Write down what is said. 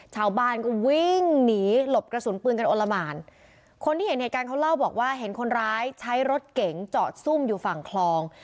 ชาวบ้านก็วิ่งหนีหลบกระสุนปืนกันโอละหมานคนที่เห็นเหตุการณ์เขาเล่าบอกว่าเห็นคนร้ายใช้รถเก๋งจอดซุ่มอยู่ฝั่งคลอง